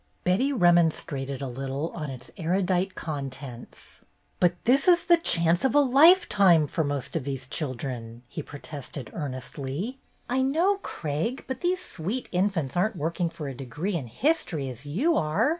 Betty remonstrated a little on its erudite contents. HISTORY CLUB VISITS NEW YORK 241 ''But this is the chance of a lifetime for most of these children," he protested earnestly. "I know, Craig, but these sweet infants are n't working for a degree in history, as you are.